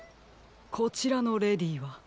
こちらのレディーは？